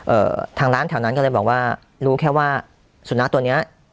เอ่อทางร้านแถวนั้นก็เลยบอกว่ารู้แค่ว่าสุนัขตัวเนี้ย